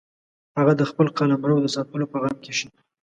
هغه د خپل قلمرو د ساتلو په غم کې شي.